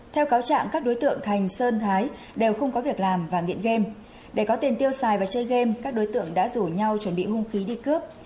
theo cáo trạng các đối tượng thành sơn thái đều không có việc làm và nghiện game để có tiền tiêu xài và chơi game các đối tượng đã rủ nhau chuẩn bị hung khí đi cướp